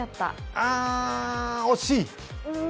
あー、惜しい。